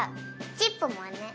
チップもね。